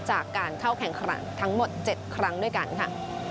จากการเข้าแข่งขันทั้งหมด๗ครั้งด้วยกันค่ะ